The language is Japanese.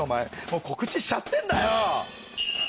もう告知しちゃってんだよ！